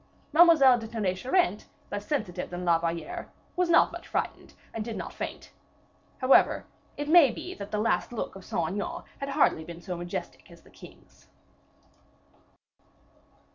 Mademoiselle de Tonnay Charente, less sensitive than La Valliere, was not much frightened, and did not faint. However, it may be that the last look of Saint Aignan had hardly been so majestic as the king's.